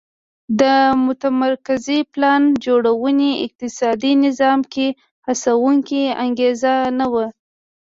د متمرکزې پلان جوړونې اقتصادي نظام کې هڅوونکې انګېزه نه وه